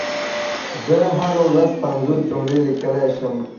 زه هره ورځ پنځوس جملي ليکم شوي